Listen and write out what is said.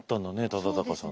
忠敬さんね。